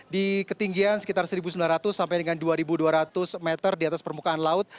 di ketinggian sekitar satu sembilan ratus sampai dengan dua dua ratus meter di atas permukaan laut